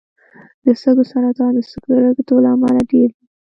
د سږو سرطان د سګرټو له امله ډېر دی.